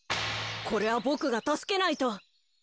これはボクがたすけないと！